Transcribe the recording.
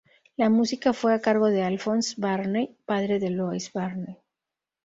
La música fue a cargo de Alphonse Varney, padre de Louis Varney.